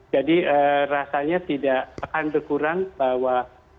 jadi rasanya tidak akan berkurang bahwa